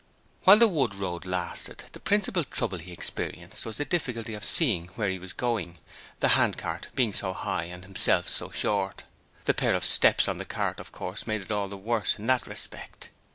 While the wood road lasted the principal trouble he experienced was the difficulty of seeing where he was going, the handcart being so high and himself so short. The pair of steps on the cart of course made it all the worse in that respect.